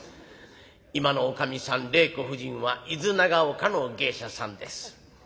今のおかみさん令子夫人は伊豆長岡の芸者さんです。